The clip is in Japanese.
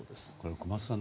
小松さん